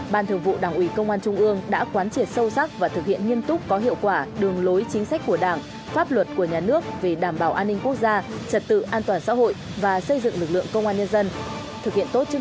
ban thường vụ đảng ủy công an trung ương đã quán triệt sâu sắc và thực hiện nghiêm túc có hiệu quả đường lối chính sách của đảng pháp luật của nhà nước về đảm bảo an ninh quốc gia trật tự an toàn xã hội và xây dựng lực lượng công an nhân dân